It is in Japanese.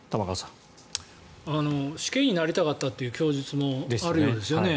死刑になりたかったという供述もあるようですよね。